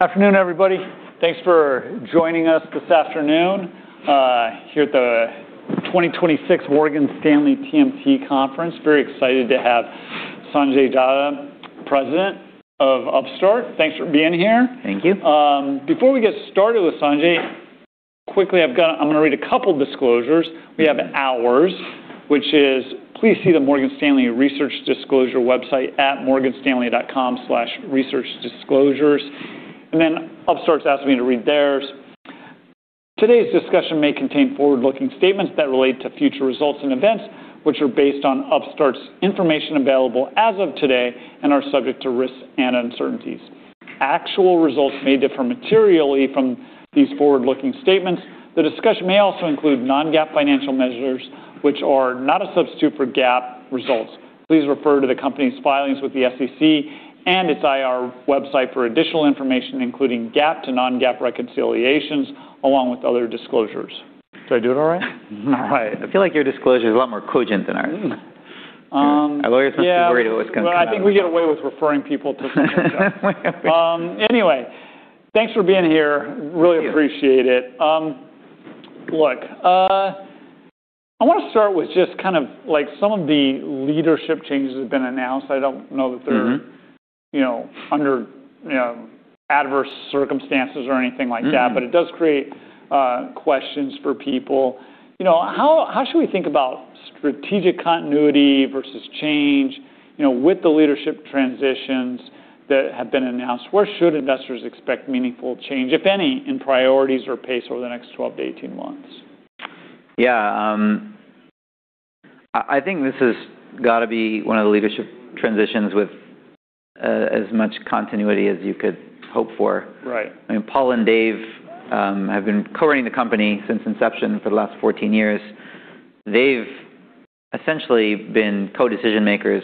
Afternoon, everybody. Thanks for joining us this afternoon, here at the 2026 Morgan Stanley TMT Conference. Very excited to have Sanjay Datta, President of Upstart. Thanks for being here. Thank you. Before we get started with Sanjay, quickly, I'm gonna read a couple disclosures. Mm-hmm. We have ours, which is, please see the Morgan Stanley Research Disclosure website at morganstanley.com/researchdisclosures. Then Upstart's asked me to read theirs. Today's discussion may contain forward-looking statements that relate to future results and events, which are based on Upstart's information available as of today and are subject to risks and uncertainties. Actual results may differ materially from these forward-looking statements. The discussion may also include non-GAAP financial measures, which are not a substitute for GAAP results. Please refer to the company's filings with the SEC and its IR website for additional information, including GAAP to non-GAAP reconciliations, along with other disclosures. Did I do it all right? I feel like your disclosure is a lot more cogent than ours. Yeah. Our lawyers must be worried what's gonna come out. Well, I think we get away with referring people to something. Anyway, thanks for being here. Thank you. Really appreciate it. look, I wanna start with just kind of like some of the leadership changes that have been announced. I don't know that. Mm-hmm... you know, under, you know, adverse circumstances or anything like that. Mm-hmm. It does create questions for people. You know, how should we think about strategic continuity versus change, you know, with the leadership transitions that have been announced? Where should investors expect meaningful change, if any, in priorities or pace over the next 12 to 18 months? Yeah. I think this has gotta be one of the leadership transitions with as much continuity as you could hope for. Right. I mean, Paul and Dave, have been co-running the company since inception for the last 14 years. They've essentially been co-decision makers.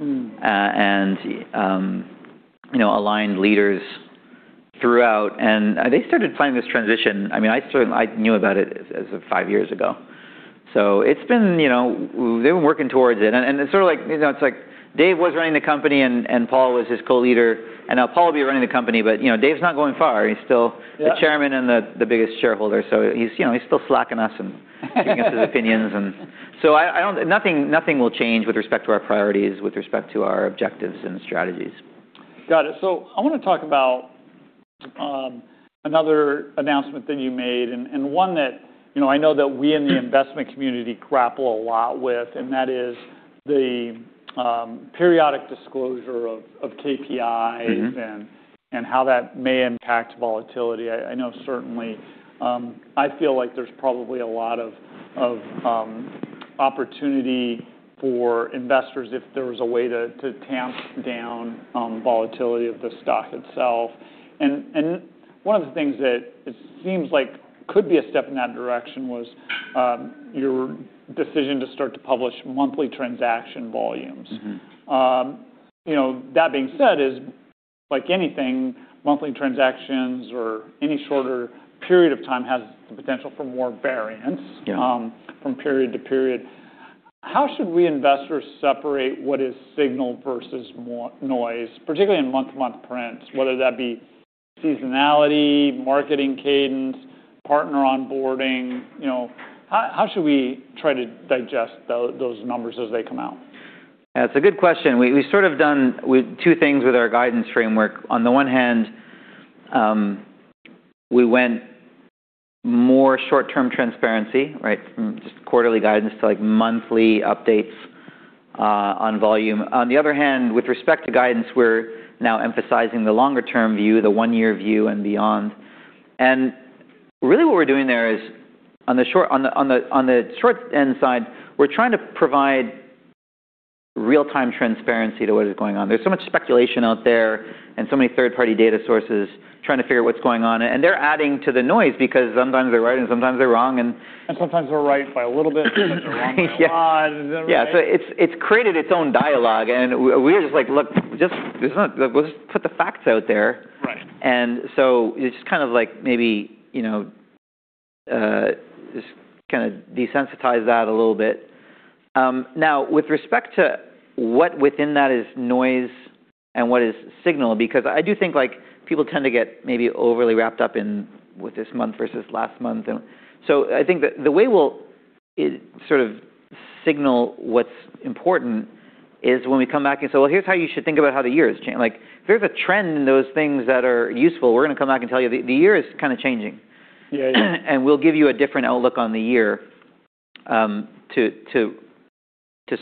Mm. You know, aligned leaders throughout. They started planning this transition. I mean, I knew about it as of five years ago. It's been, you know, they've been working towards it. It's sort of like, you know, it's like Dave was running the company and Paul was his co-leader, and now Paul will be running the company. You know, Dave's not going far. Yeah the chairman and the biggest shareholder. He's, you know, he's still slacking us and giving us his opinions. nothing will change with respect to our priorities, with respect to our objectives and strategies. Got it. I wanna talk about, another announcement that you made and one that, you know, I know that we in the investment community grapple a lot with, and that is the periodic disclosure of KPIs. Mm-hmm... and how that may impact volatility. I know certainly, I feel like there's probably a lot of opportunity for investors if there was a way to tamp down volatility of the stock itself. One of the things that it seems like could be a step in that direction was your decision to start to publish monthly transaction volumes. Mm-hmm. You know, that being said, is like anything, monthly transactions or any shorter period of time has the potential for more variance. Yeah from period to period. How should we investors separate what is signal versus noise, particularly in month-to-month prints, whether that be seasonality, marketing cadence, partner onboarding? You know, how should we try to digest those numbers as they come out? Yeah, it's a good question. We've sort of done with two things with our guidance framework. On the one hand, we went more short-term transparency, right? From just quarterly guidance to, like, monthly updates on volume. On the other hand, with respect to guidance, we're now emphasizing the longer-term view, the one-year view and beyond. Really what we're doing there is on the short-end side, we're trying to provide real-time transparency to what is going on. There's so much speculation out there and so many third-party data sources trying to figure out what's going on, and they're adding to the noise because sometimes they're right and sometimes they're wrong. Sometimes they're right by a little bit or wrong by a lot. Yeah. It's created its own dialogue and we're just like, "Look, just, we'll just put the facts out there. Right. It's just kind of like maybe, you know, just kinda desensitize that a little bit. Now with respect to what within that is noise and what is signal, because I do think, like, people tend to get maybe overly wrapped up in with this month versus last month. I think the way we'll sort of signal what's important is when we come back and say, "Well, here's how you should think about how the year has changed." Like, if there's a trend in those things that are useful, we're gonna come back and tell you the year is kinda changing. Yeah. We'll give you a different outlook on the year, to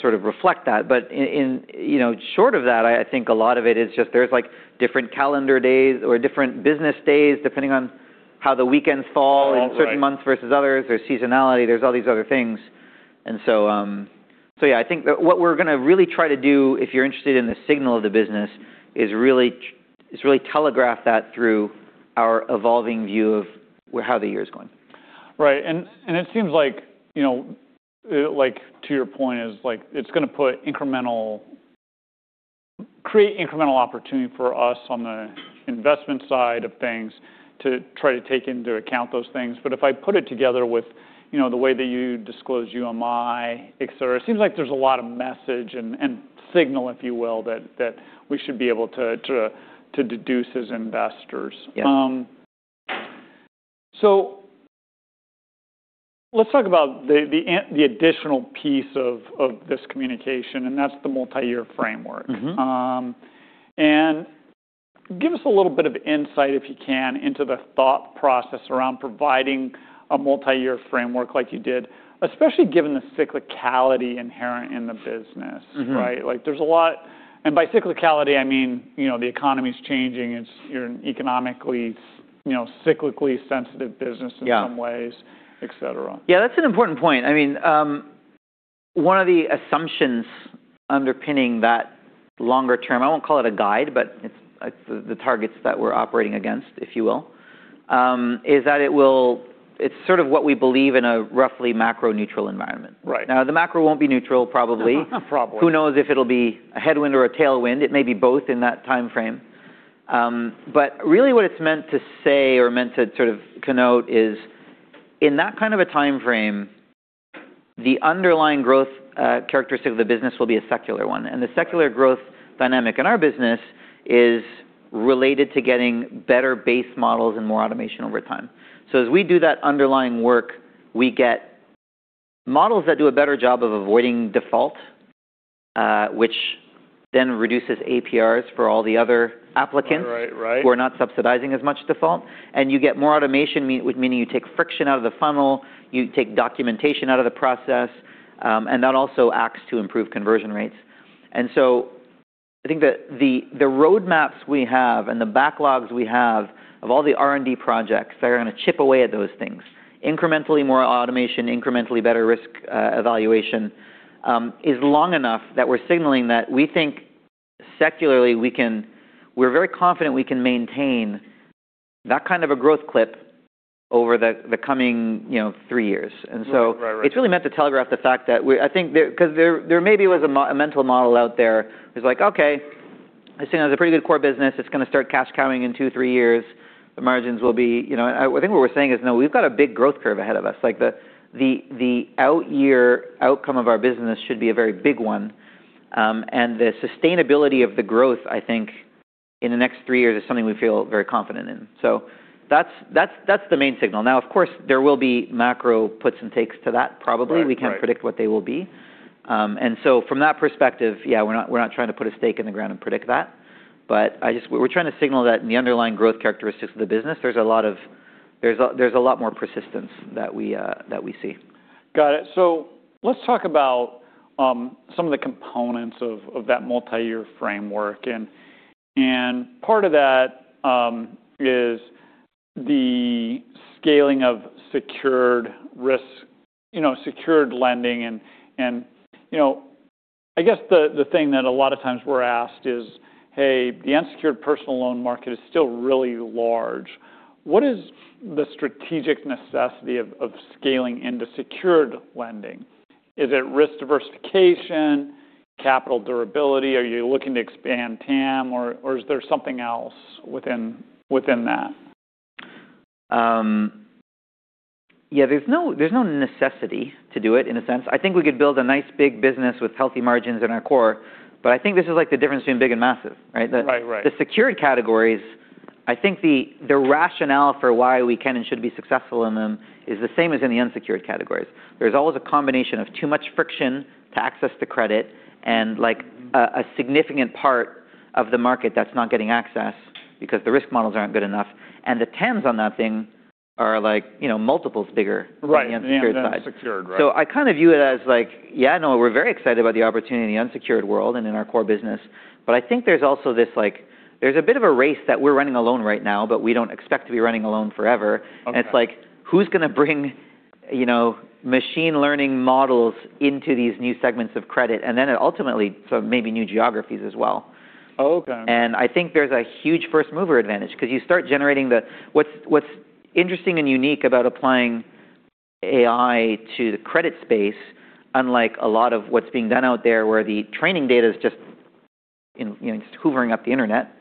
sort of reflect that. In, in, you know, short of that, I think a lot of it is just there's like different calendar days or different business days, depending on how the weekends fall. Oh, right.... in certain months versus others. There's seasonality, there's all these other things. So yeah, I think that what we're gonna really try to do, if you're interested in the signal of the business, is really telegraph that through our evolving view of how the year is going. Right. It seems like, you know, like to your point is, like, it's gonna create incremental opportunity for us on the investment side of things to try to take into account those things. If I put it together with, you know, the way that you disclose UMI, et cetera, it seems like there's a lot of message and signal, if you will, that we should be able to deduce as investors. Yeah. Let's talk about the additional piece of this communication, and that's the multi-year framework. Mm-hmm. Give us a little bit of insight, if you can, into the thought process around providing a multi-year framework like you did, especially given the cyclicality inherent in the business. Mm-hmm. Right? Like, there's a lot... By cyclicality, I mean, you know, the economy's changing. You're an economically, you know, cyclically sensitive business. Yeah... in some ways, et cetera. Yeah, that's an important point. I mean, one of the assumptions underpinning that longer term, I won't call it a guide, but it's the targets that we're operating against, if you will, It's sort of what we believe in a roughly macro neutral environment. Right. The macro won't be neutral probably. Probably. Who knows if it'll be a headwind or a tailwind. It may be both in that timeframe. But really what it's meant to say or meant to sort of connote is, in that kind of a timeframe, the underlying growth characteristic of the business will be a secular one, and the secular growth dynamic in our business is related to getting better base models and more automation over time. As we do that underlying work, we get models that do a better job of avoiding default, which then reduces APRs for all the other applicants... Right. who are not subsidizing as much default. You get more automation meaning you take friction out of the funnel, you take documentation out of the process. That also acts to improve conversion rates. I think the roadmaps we have and the backlogs we have of all the R&D projects that are gonna chip away at those things, incrementally more automation, incrementally better risk evaluation, is long enough that we're signaling that we think secularly we're very confident we can maintain that kind of a growth clip over the coming, you know, three years. Right.... it's really meant to telegraph the fact that we... I think 'cause there may be was a mental model out there. It's like, okay, I've seen it as a pretty good core business. It's gonna start cash coming in 2, 3 years. The margins will be... You know, I think what we're saying is, no, we've got a big growth curve ahead of us. Like, the out year outcome of our business should be a very big one. The sustainability of the growth, I think in the next three years is something we feel very confident in. That's the main signal. Now, of course, there will be macro puts and takes to that probably. Right. Right. We can't predict what they will be. From that perspective, yeah, we're not, we're not trying to put a stake in the ground and predict that. We're trying to signal that in the underlying growth characteristics of the business, there's a lot more persistence that we that we see. Got it. Let's talk about some of the components of that multi-year framework. Part of that is the scaling of secured risk, you know, secured lending, you know. I guess the thing that a lot of times we're asked is, hey, the unsecured personal loan market is still really large. What is the strategic necessity of scaling into secured lending? Is it risk diversification, capital durability? Are you looking to expand TAM or is there something else within that? Yeah, there's no, there's no necessity to do it in a sense. I think we could build a nice big business with healthy margins in our core, but I think this is like the difference between big and massive, right? Right.... the secured categories, I think the rationale for why we can and should be successful in them is the same as in the unsecured categories. There's always a combination of too much friction to access the credit and, like, a significant part of the market that's not getting access because the risk models aren't good enough, and the TAMs on that thing are like, you know, multiples bigger... Right... than the unsecured side. Than secured. Right. I kind of view it as like, yeah, no, we're very excited about the opportunity in the unsecured world and in our core business, but I think there's also this, like. There's a bit of a race that we're running alone right now, but we don't expect to be running alone forever. Okay. It's like, who's gonna bring, you know, machine learning models into these new segments of credit? It ultimately sort of maybe new geographies as well. Okay. I think there's a huge first mover advantage 'cause you start generating. What's interesting and unique about applying AI to the credit space, unlike a lot of what's being done out there, where the training data is just, you know, just hoovering up the internet.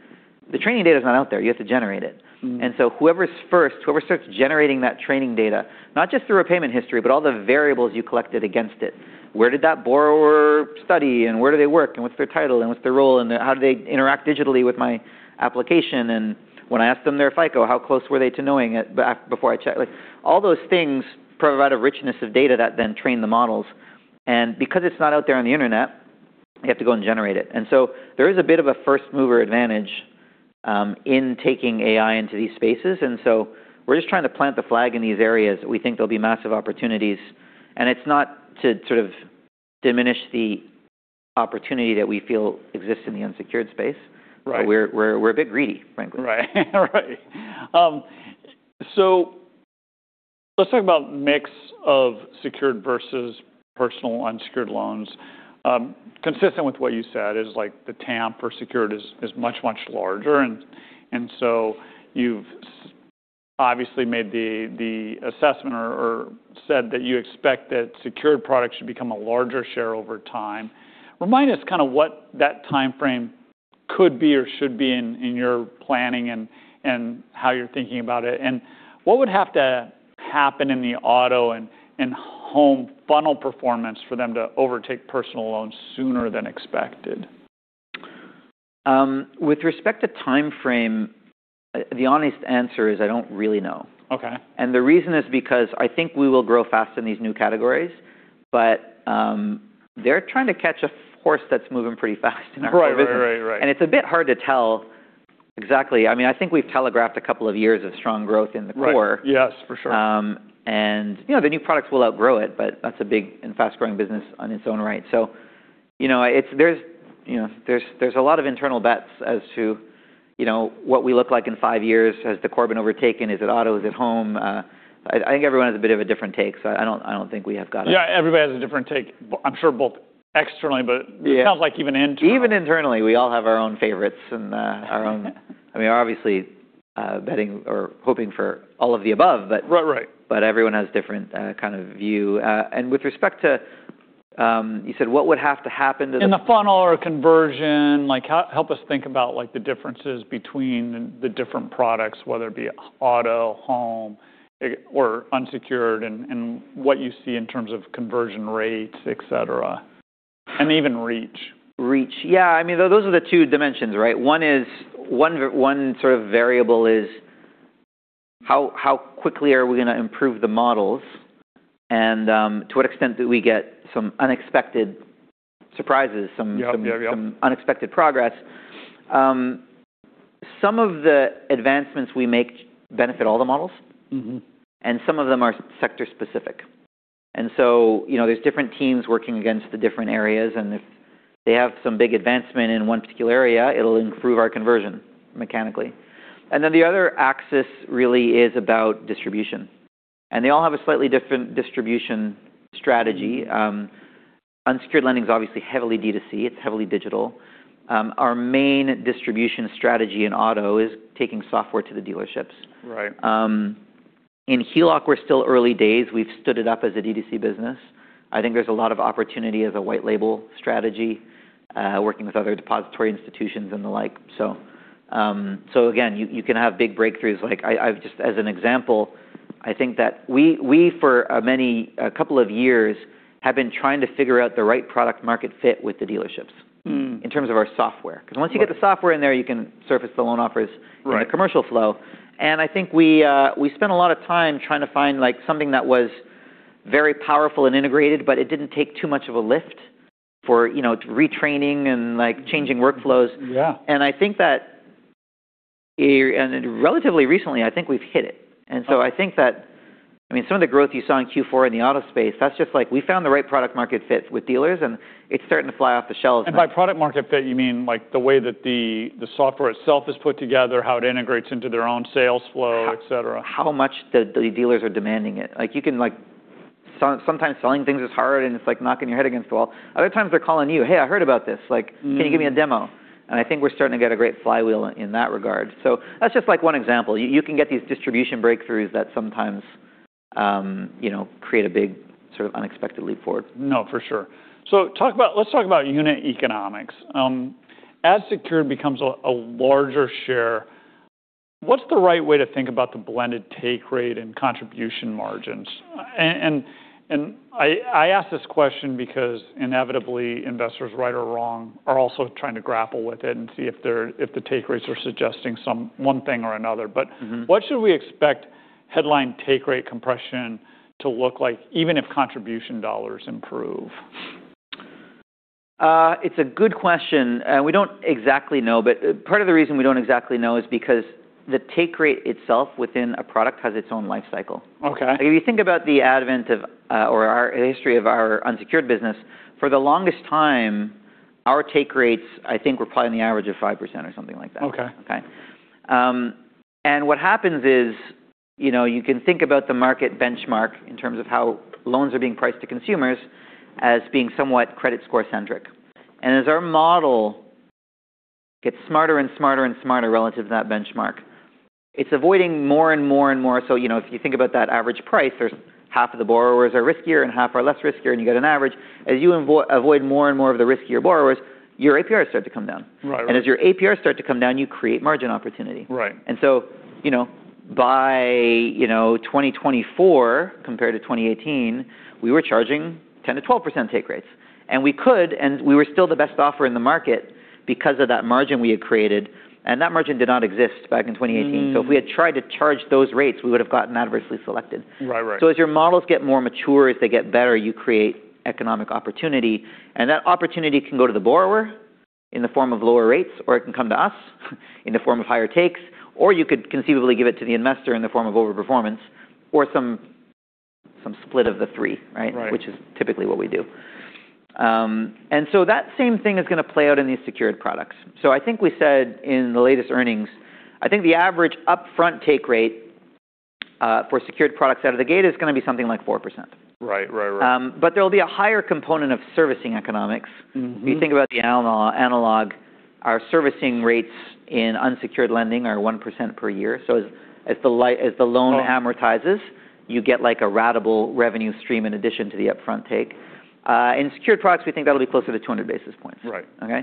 The training data is not out there. You have to generate it. Mm-hmm. Whoever's first, whoever starts generating that training data, not just through a payment history, but all the variables you collected against it. Where did that borrower study and where do they work and what's their title and what's their role and how do they interact digitally with my application? When I ask them their FICO, how close were they to knowing it back before I checked? Like, all those things provide a richness of data that then train the models. Because it's not out there on the internet, you have to go and generate it. There is a bit of a first mover advantage in taking AI into these spaces. We're just trying to plant the flag in these areas. We think there'll be massive opportunities. It's not to sort of diminish the opportunity that we feel exists in the unsecured space. Right. We're a bit greedy, frankly. Right. Right. Let's talk about mix of secured versus personal unsecured loans. Consistent with what you said is like the TAM for secured is much, much larger. You've obviously made the assessment or said that you expect that secured products should become a larger share over time. Remind us kinda what that timeframe could be or should be in your planning and how you're thinking about it, and what would have to happen in the auto and home funnel performance for them to overtake personal loans sooner than expected? With respect to timeframe, the honest answer is I don't really know. Okay. The reason is because I think we will grow fast in these new categories, but, they're trying to catch a force that's moving pretty fast in our core business. Right. Right. Right. Right. It's a bit hard to tell exactly. I mean, I think we've telegraphed a couple of years of strong growth in the core. Right. Yes, for sure. You know, the new products will outgrow it, but that's a big and fast-growing business on its own right. You know, there's, you know, there's a lot of internal bets as to, you know, what we look like in five years. Has the core been overtaken? Is it autos, is it home? I think everyone has a bit of a different take, so I don't think we have got. Yeah, everybody has a different take. I'm sure both externally, but. Yeah... it sounds like even internally. Even internally, we all have our own favorites and, I mean, obviously, betting or hoping for all of the above. Right.... but everyone has different, kind of view. With respect to, you said what would have to happen? In the funnel or conversion, like, help us think about, like, the differences between the different products, whether it be auto, home, or unsecured, and what you see in terms of conversion rates, et cetera, and even reach. Reach. Yeah. I mean, those are the two dimensions, right? One sort of variable is how quickly are we gonna improve the models and to what extent do we get some unexpected surprises... Yep. Yep. Yep.... some unexpected progress. Some of the advancements we make benefit all the models. Mm-hmm. Some of them are sector specific. You know, there's different teams working against the different areas, and if they have some big advancement in one particular area, it'll improve our conversion mechanically. The other axis really is about distribution. They all have a slightly different distribution strategy. Unsecured lending is obviously heavily D2C, it's heavily digital. Our main distribution strategy in auto is taking software to the dealerships. Right. In HELOC, we're still early days. We've stood it up as a D2C business. I think there's a lot of opportunity as a white label strategy, working with other depository institutions and the like. Again, you can have big breakthroughs. Like I've just as an example, I think that we for many, a couple of years have been trying to figure out the right product market fit with the dealerships- Mm. in terms of our software. Right. 'Cause once you get the software in there, you can surface the loan offers. Right in the commercial flow. I think we spent a lot of time trying to find, like, something that was very powerful and integrated, but it didn't take too much of a lift for, you know, to retraining and, like, changing workflows. Yeah. I think that. Relatively recently, I think we've hit it. Okay. I think that, I mean, some of the growth you saw in Q4 in the auto space, that's just like we found the right product market fit with dealers, and it's starting to fly off the shelves now. By product market fit, you mean like the way that the software itself is put together, how it integrates into their own sales flow, et cetera. How much the dealers are demanding it. Like, you can like sometimes selling things is hard, and it's like knocking your head against the wall. Other times they're calling you, "Hey, I heard about this. Mm... "Can you give me a demo?" I think we're starting to get a great flywheel in that regard. That's just like one example. You can get these distribution breakthroughs that sometimes, you know, create a big sort of unexpected leap forward. No, for sure. Let's talk about unit economics. As secured becomes a larger share, what's the right way to think about the blended take rate and contribution margins? And I ask this question because inevitably investors, right or wrong, are also trying to grapple with it and see if the take rates are suggesting one thing or another. Mm-hmm. What should we expect headline take rate compression to look like even if contribution dollars improve? It's a good question. We don't exactly know, but part of the reason we don't exactly know is because the take rate itself within a product has its own life cycle. Okay. If you think about the advent of, or our history of our unsecured business, for the longest time, our take rates, I think, were probably in the average of 5% or something like that. Okay. Okay? What happens is, you know, you can think about the market benchmark in terms of how loans are being priced to consumers as being somewhat credit score-centric. As our model gets smarter and smarter and smarter relative to that benchmark, it's avoiding more and more and more. You know, if you think about that average price, there's half of the borrowers are riskier and half are less riskier, and you get an average. As you avoid more and more of the riskier borrowers, your APRs start to come down. Right. Right. As your APRs start to come down, you create margin opportunity. Right. You know, by, you know, 2024 compared to 2018, we were charging 10%-12% take rates. We could, and we were still the best offer in the market because of that margin we had created, and that margin did not exist back in 2018. Mm. If we had tried to charge those rates, we would have gotten adversely selected. Right. Right. As your models get more mature, as they get better, you create economic opportunity, and that opportunity can go to the borrower in the form of lower rates, or it can come to us in the form of higher takes, or you could conceivably give it to the investor in the form of overperformance or some split of the three, right? Right. Which is typically what we do. That same thing is gonna play out in these secured products. I think we said in the latest earnings, I think the average upfront take rate for secured products out of the gate is gonna be something like 4%. Right. Right. Right. There'll be a higher component of servicing economics. Mm-hmm. If you think about the analog, our servicing rates in unsecured lending are 1% per year. As the loan amortizes- Oh... you get like a ratable revenue stream in addition to the upfront take. In secured products, we think that'll be closer to 200 basis points. Right. Okay?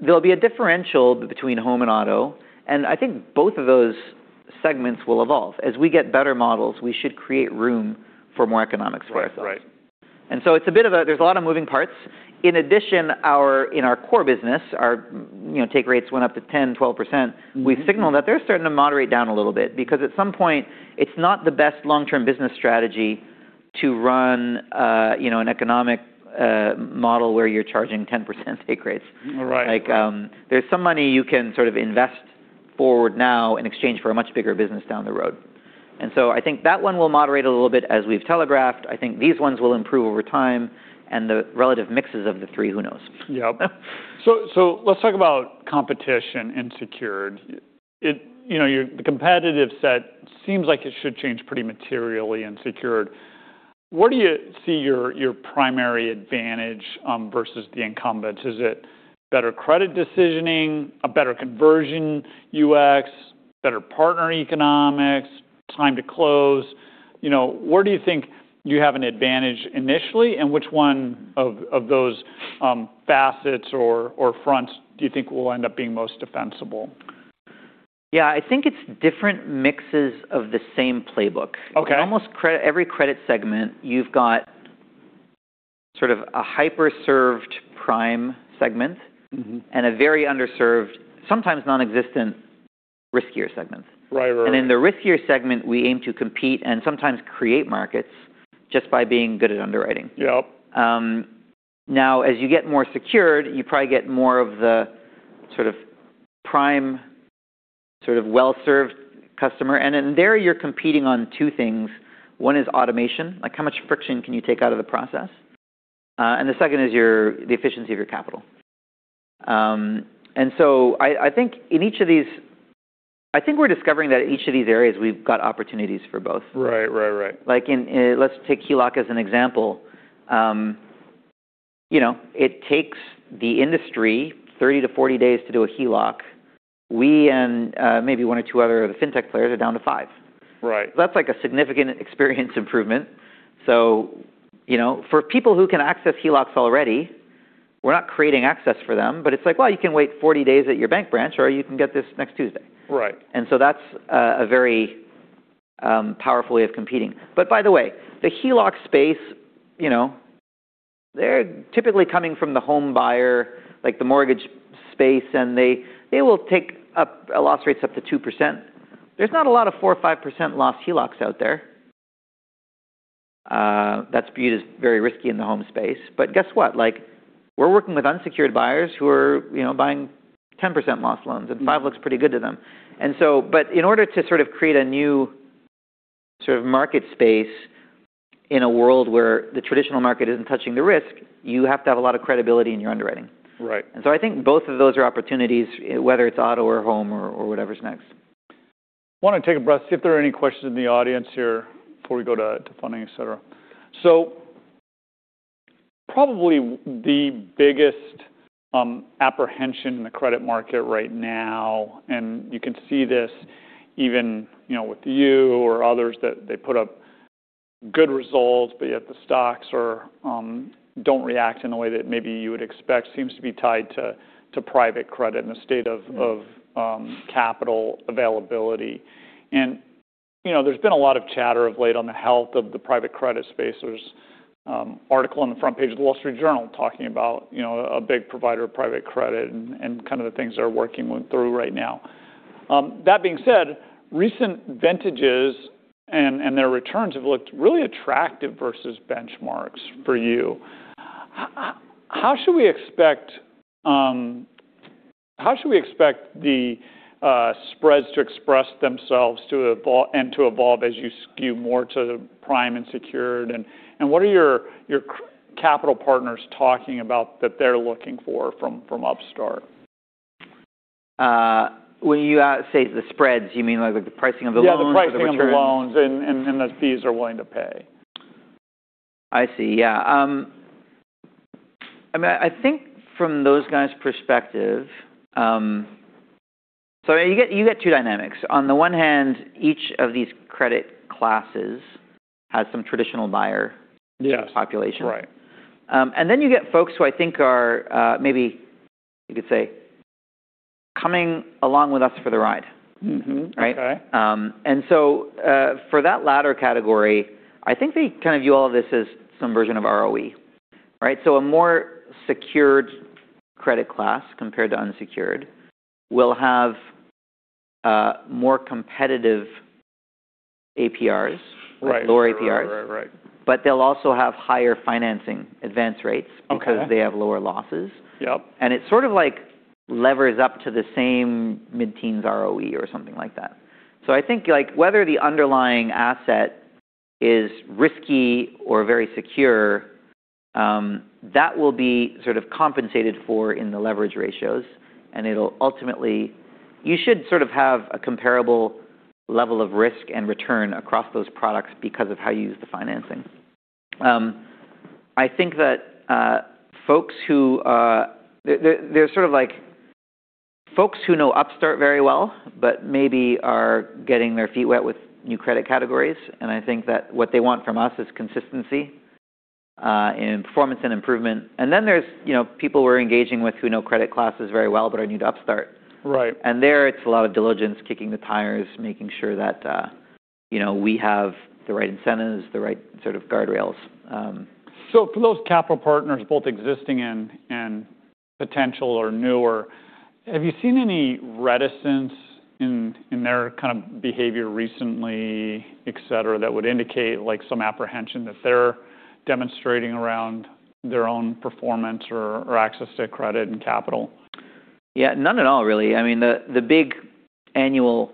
There'll be a differential between home and auto. I think both of those segments will evolve. As we get better models, we should create room for more economics for ourselves. Right. Right. There's a lot of moving parts. In addition, in our core business, our, you know, take rates went up to 10%, 12%. Mm-hmm. We signal that they're starting to moderate down a little bit because at some point, it's not the best long-term business strategy to run, you know, an economic, model where you're charging 10% take rates. Right. Like, there's some money you can sort of invest forward now in exchange for a much bigger business down the road. I think that one will moderate a little bit as we've telegraphed. I think these ones will improve over time, and the relative mixes of the three, who knows? Yep. Let's talk about competition and secured. It, you know, the competitive set seems like it should change pretty materially and secured. Where do you see your primary advantage versus the incumbents? Is it better credit decisioning, a better conversion UX, better partner economics, time to close? You know, where do you think you have an advantage initially, and which one of those facets or fronts do you think will end up being most defensible? Yeah. I think it's different mixes of the same playbook. Okay. In almost every credit segment, you've got sort of a hyper-served prime segment. Mm-hmm... and a very underserved, sometimes non-existent, riskier segment. Right. Right. Right. In the riskier segment, we aim to compete and sometimes create markets just by being good at underwriting. Yep. Now, as you get more secured, you probably get more of the sort of prime, sort of well-served customer. In there you're competing on two things. One is automation, like how much friction can you take out of the process. The second is the efficiency of your capital. So I think we're discovering that each of these areas we've got opportunities for both. Right. Right. Right. Like in, let's take HELOC as an example. You know, it takes the industry 30-40 days to do a HELOC. We and, maybe one or two other of the fintech players are down to five. Right. That's like a significant experience improvement. You know, for people who can access HELOCs already, we're not creating access for them, but it's like, well, you can wait 40 days at your bank branch, or you can get this next Tuesday. Right. That's a very powerful way of competing. By the way, the HELOC space, you know, they will take a loss rates up to 2%. There's not a lot of 4% or 5% loss HELOCs out there. That's viewed as very risky in the home space. Guess what? Like, we're working with unsecured buyers who are, you know, buying 10% loss loans, and 5% looks pretty good to them. In order to sort of create a new sort of market space in a world where the traditional market isn't touching the risk, you have to have a lot of credibility in your underwriting. Right. I think both of those are opportunities, whether it's auto or home or whatever's next. I wanna take a breath, see if there are any questions in the audience here before we go to funding, et cetera. Probably the biggest apprehension in the credit market right now, and you can see this even, you know, with you or others, that they put up good results, but yet the stocks are don't react in a way that maybe you would expect, seems to be tied to private credit and the state of- Mm... of capital availability. You know, there's been a lot of chatter of late on the health of the private credit space. There's article on the front page of The Wall Street Journal talking about, you know, a big provider of private credit and kinda the things they're working through right now. That being said, recent vintages and their returns have looked really attractive versus benchmarks for you. How should we expect the spreads to express themselves and to evolve as you skew more to prime and secured? What are your capital partners talking about that they're looking for from Upstart? When you say the spreads, you mean like the pricing of the loans or the returns? Yeah, the pricing of the loans and the fees they're willing to pay. I see, yeah. I mean, I think from those guys' perspective. You get two dynamics. On the one hand, each of these credit classes has some traditional buyer-. Yes... population. Right. Then you get folks who I think are, maybe you could say coming along with us for the ride. Mm-hmm. Okay. Right? For that latter category, I think they kind of view all of this as some version of ROE, right? A more secured credit class compared to unsecured will have, more competitive APRs... Right. Sure. Sure.... with lower APRs. Right. Right. They'll also have higher financing advance rates. Okay because they have lower losses. Yep. It sort of like levers up to the same mid-teens ROE or something like that. I think, like, whether the underlying asset is risky or very secure, that will be sort of compensated for in the leverage ratios, and you should sort of have a comparable level of risk and return across those products because of how you use the financing. I think that They're sort of like folks who know Upstart very well but maybe are getting their feet wet with new credit categories, and I think that what they want from us is consistency in performance and improvement. There's, you know, people we're engaging with who know credit classes very well but are new to Upstart. Right. There it's a lot of diligence, kicking the tires, making sure that, you know, we have the right incentives, the right sort of guardrails. For those capital partners, both existing and potential or newer. Have you seen any reticence in their kind of behavior recently, et cetera, that would indicate like some apprehension that they're demonstrating around their own performance or access to credit and capital? Yeah. None at all, really. I mean, the big annual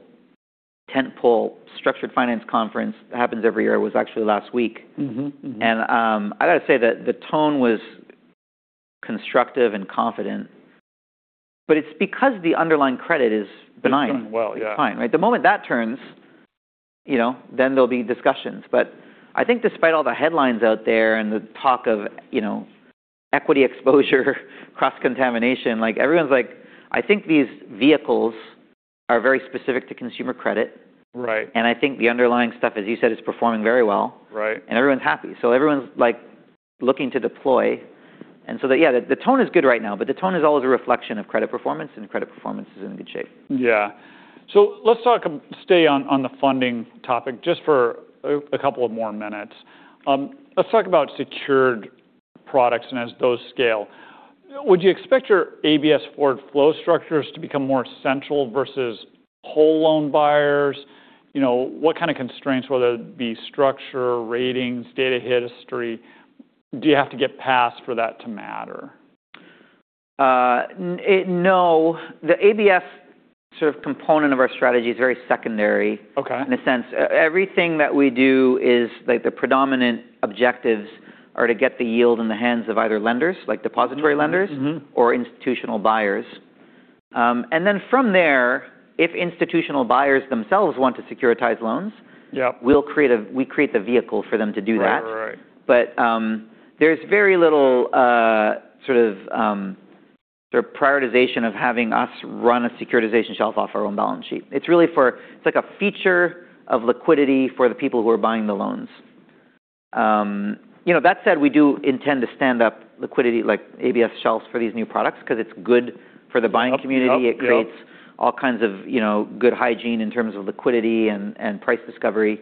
tent pole structured finance conference happens every year, was actually last week. Mm-hmm. Mm-hmm. I gotta say that the tone was constructive and confident, but it's because the underlying credit is benign. It's doing well, yeah. It's fine, right? The moment that turns, you know, then there'll be discussions. I think despite all the headlines out there and the talk of, you know, equity exposure, cross-contamination, like, everyone's like, I think these vehicles are very specific to consumer credit. Right. I think the underlying stuff, as you said, is performing very well. Right. Everyone's happy. Everyone's like looking to deploy. Yeah, the tone is good right now, but the tone is always a reflection of credit performance, and credit performance is in good shape. Yeah. Stay on the funding topic just for a couple of more minutes. Let's talk about secured products and as those scale. Would you expect your ABS forward flow structures to become more central versus whole loan buyers? You know, what kind of constraints, whether it be structure, ratings, data history, do you have to get past for that to matter? No. The ABS sort of component of our strategy is very secondary. Okay in a sense. Everything that we do is like the predominant objectives are to get the yield in the hands of either lenders, like depository lenders. Mm-hmm. Mm-hmm.... or institutional buyers. From there, if institutional buyers themselves want to securitize loans Yeah we'll create the vehicle for them to do that. Right. Right. Right. There's very little sort of prioritization of having us run a securitization shelf off our own balance sheet. It's like a feature of liquidity for the people who are buying the loans. That said, we do intend to stand up liquidity like ABS shelves for these new products because it's good for the buying community. Oh, oh, yeah. It creates all kinds of, you know, good hygiene in terms of liquidity and price discovery.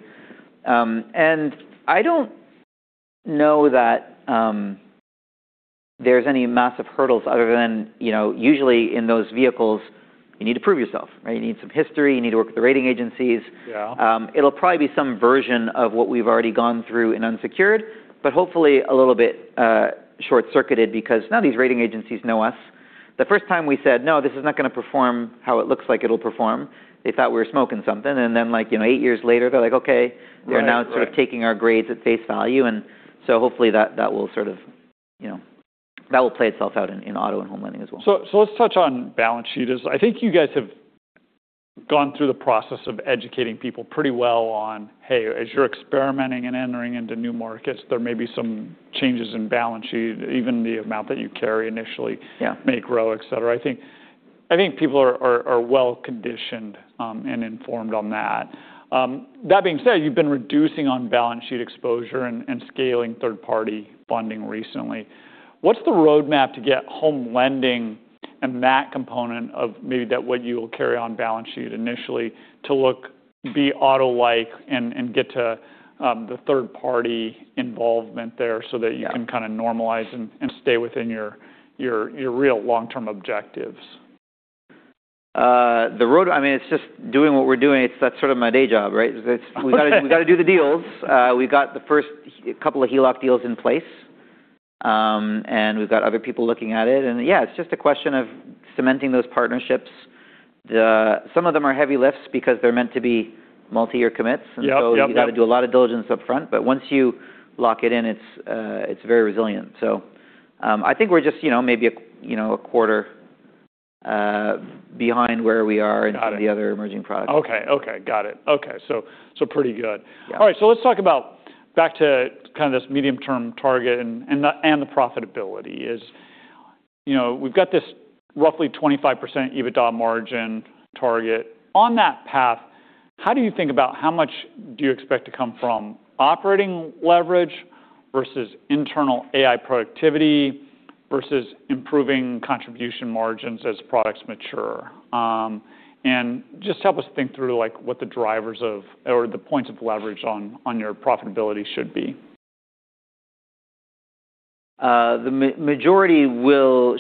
I don't know that there's any massive hurdles other than, you know, usually in those vehicles you need to prove yourself, right? You need some history. You need to work with the rating agencies. Yeah. It'll probably be some version of what we've already gone through in unsecured, but hopefully a little bit short-circuited because now these rating agencies know us. The first time we said, "No, this is not gonna perform how it looks like it'll perform," they thought we were smoking something, and then like, you know, 8 years later, they're like, "Okay. Right. Right. They're now sort of taking our grades at face value, and so hopefully that will sort of, you know, that will play itself out in auto and home lending as well. So let's touch on balance sheet as I think you guys have gone through the process of educating people pretty well on, hey, as you're experimenting and entering into new markets, there may be some changes in balance sheet, even the amount that you carry initially. Yeah... may grow, et cetera. I think people are well conditioned, and informed on that. That being said, you've been reducing on balance sheet exposure and scaling third-party funding recently. What's the roadmap to get home lending and that component of maybe that what you'll carry on balance sheet initially to look, be auto-like and get to the third party involvement there so that- Yeah... you can kinda normalize and stay within your real long-term objectives? I mean, it's just doing what we're doing. That's sort of my day job, right? We gotta, we gotta do the deals. We got the first couple of HELOC deals in place, and we've got other people looking at it. Yeah, it's just a question of cementing those partnerships. Some of them are heavy lifts because they're meant to be multi-year commits. Yep. Yep. Yep. You gotta do a lot of diligence upfront, but once you lock it in, it's very resilient. I think we're just, you know, maybe a, you know, a quarter behind. Got it.... in the other emerging products. Okay. Okay. Got it. Okay. So pretty good. Yeah. All right. Let's talk about back to kinda this medium-term target and the profitability is, you know, we've got this roughly 25% EBITDA margin target. On that path, how do you think about how much do you expect to come from operating leverage versus internal AI productivity versus improving contribution margins as products mature? Just help us think through like what the drivers of, or the points of leverage on your profitability should be. The majority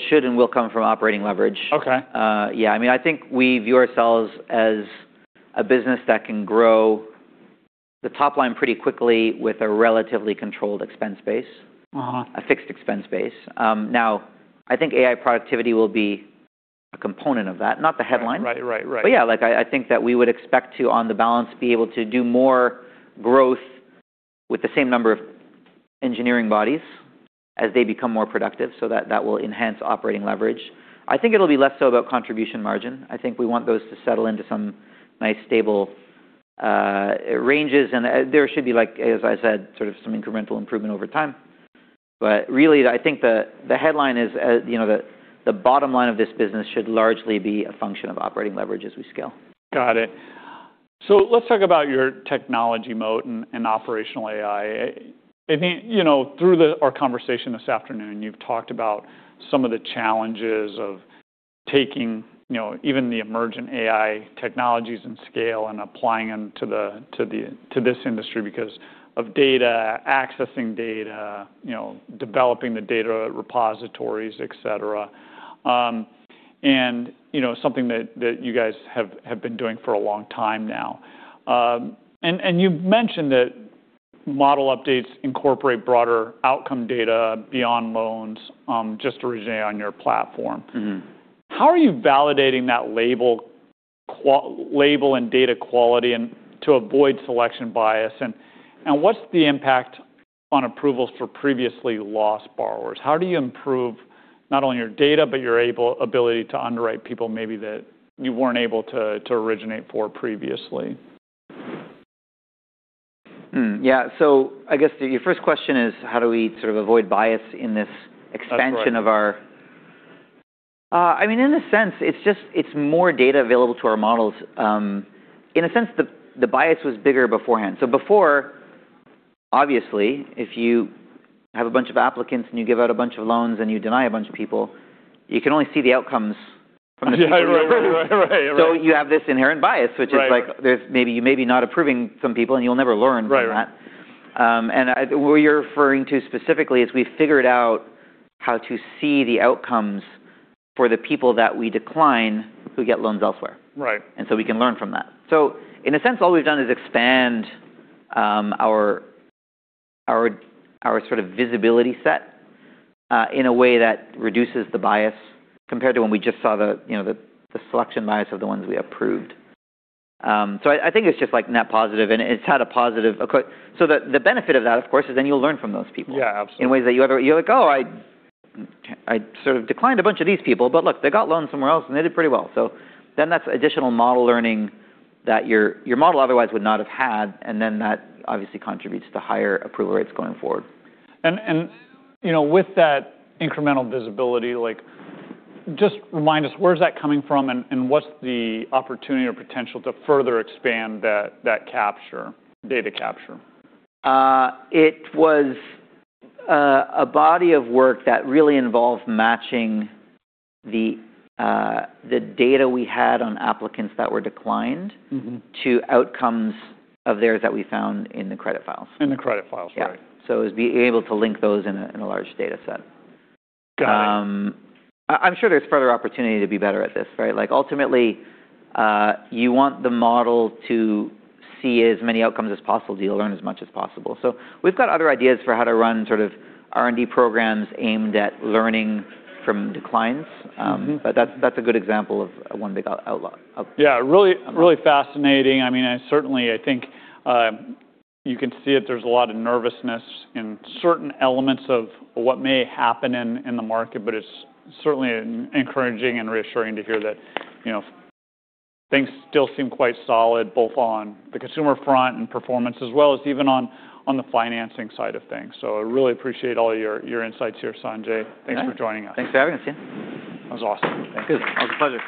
should and will come from operating leverage. Okay. Yeah. I mean, I think we view ourselves as a business that can grow the top line pretty quickly with a relatively controlled expense base. Uh-huh. A fixed expense base. Now, I think AI productivity will be a component of that, not the headline. Right. Right. Right. Yeah, like I think that we would expect to, on the balance, be able to do more growth with the same number of engineering bodies as they become more productive, so that will enhance operating leverage. I think it'll be less so about contribution margin. I think we want those to settle into some nice stable ranges. There should be like, as I said, sort of some incremental improvement over time. Really, I think the headline is, you know, the bottom line of this business should largely be a function of operating leverage as we scale. Got it. Let's talk about your technology mode and operational AI. I think, you know, through our conversation this afternoon, you've talked about some of the challenges of taking, you know, even the emergent AI technologies and scale and applying them to the, to this industry because of data, accessing data, you know, developing the data repositories, et cetera. You know, something that you guys have been doing for a long time now. And you've mentioned that model updates incorporate broader outcome data beyond loans just originally on your platform. Mm-hmm. How are you validating that label and data quality and to avoid selection bias? What's the impact on approvals for previously lost borrowers? How do you improve not only your data, but your ability to underwrite people maybe that you weren't able to originate for previously? Yeah. I guess your first question is how do we sort of avoid bias. That's right.... expansion of our... I mean, in a sense, it's more data available to our models. In a sense, the bias was bigger beforehand. Before, obviously, if you have a bunch of applicants and you give out a bunch of loans and you deny a bunch of people, you can only see the outcomes from the people you approve. Yeah. Right. Right. Right. You have this inherent bias... Right... which is like there's you may be not approving some people, and you'll never learn from that. Right. What you're referring to specifically is we figured out how to see the outcomes for the people that we decline who get loans elsewhere. Right. We can learn from that. In a sense, all we've done is expand our sort of visibility set in a way that reduces the bias compared to when we just saw the, you know, the selection bias of the ones we approved. I think it's just like net positive, and it's had a positive. The benefit of that, of course, is then you'll learn from those people. Yeah, absolutely.... in ways that you're like, "Oh, I sort of declined a bunch of these people, but look, they got loans somewhere else, and they did pretty well." That's additional model learning that your model otherwise would not have had, and then that obviously contributes to higher approval rates going forward. You know, with that incremental visibility, like, just remind us, where's that coming from, and what's the opportunity or potential to further expand that capture, data capture? It was a body of work that really involved matching the data we had on applicants that were declined. Mm-hmm... to outcomes of theirs that we found in the credit files. In the credit files. Yeah. Right. It's being able to link those in a, in a large data set. Got it. I'm sure there's further opportunity to be better at this, right? Like, ultimately, you want the model to see as many outcomes as possible so you'll learn as much as possible. We've got other ideas for how to run sort of R&D programs aimed at learning from declines. Mm-hmm. That's a good example of one big outlaw. Yeah. Really, really fascinating. I mean, I think, you can see it. There's a lot of nervousness in certain elements of what may happen in the market, but it's certainly encouraging and reassuring to hear that, you know, things still seem quite solid both on the consumer front and performance, as well as even on the financing side of things. I really appreciate all your insights here, Sanjay. Yeah. Thanks for joining us. Thanks for having us. Yeah. That was awesome. Thank you. Good. It was a pleasure.